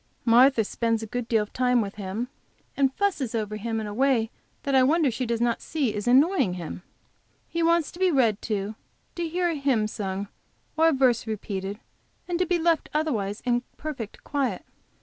Martha spends a good deal of time with him, and fusses over him in a way that I wonder she does not see is annoying to him. He wants to be read to, to hear a hymn sung or a verse repeated, and to be left otherwise in perfect quiet.